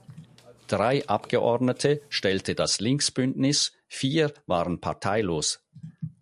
Drei Abgeordnete stellte das Linksbündnis, vier waren parteilos.